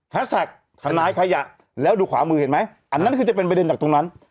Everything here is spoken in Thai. แท็กทนายขยะแล้วดูขวามือเห็นไหมอันนั้นคือจะเป็นประเด็นจากตรงนั้น